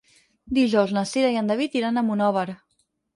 Dijous na Cira i en David iran a Monòver.